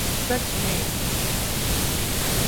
सच में